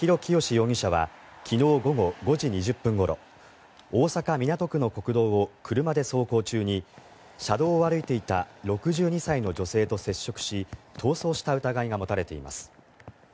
容疑者は昨日午後５時２０分ごろ大阪・港区の国道を車で走行中に車道を歩いていた６２歳の女性と接触し逃走した疑いが持たれています。